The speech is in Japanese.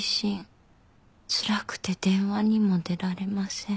辛くて電話にも出られません」